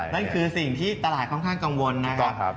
นั่นคือสิ่งที่ตลาดค่อนข้างกังวลนะครับ